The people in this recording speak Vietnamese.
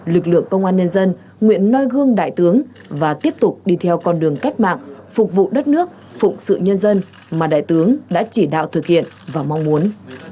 lực lượng công an nhân dân nguyện noi gương đại tướng và tiếp tục đi theo con đường cách mạng phục vụ đất nước phụng sự nhân dân mà đại tướng đã chỉ đạo thực hiện và mong muốn